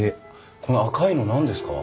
この赤いの何ですか？